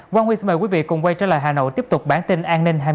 quý vị cùng quay trở lại hà nội tiếp tục bản tin an ninh hai mươi bốn h